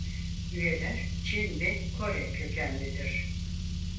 Üyeler Çin ve Kore kökenlidir.